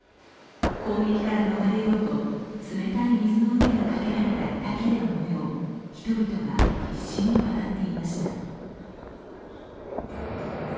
攻撃から逃れようと冷たい水の上にかけられた板きれの上で人々が必死に渡っていました。